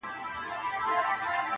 زلمي، زلمي کلونه جهاني قبر ته توی سول.!